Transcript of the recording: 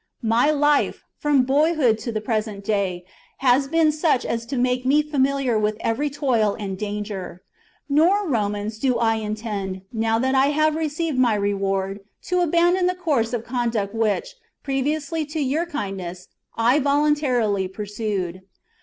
My life, from boyhood to the present day, has been such as to make me familiar with every toil and danger ; nor, Romans, do I intend, now that I have received my reward, to abandon the course of conduct which, previously to your kindness, I voluntarily pursued.